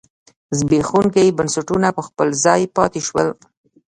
زبېښونکي بنسټونه په خپل ځای پاتې شول.